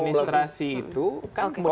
kalau sudah jelas kami tidak akan mau